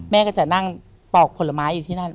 แม่ก็จะนั่งปอกผลไม้อยู่ที่นั่น